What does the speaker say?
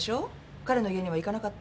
彼の家には行かなかった？